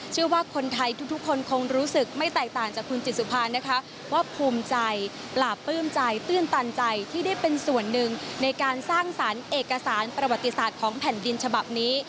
เชื่อว่าคนไทยทุกคนคงรู้สึกไม่แตกต่างจากคุณจิตสุภานะคะว่าภูมิใจปราบปลื้มใจตื้นตันใจที่ได้เป็นส่วนหนึ่งในการสร้างสรรค์เอกสารประวัติศาสตร์ของแผ่นดินฉบับนี้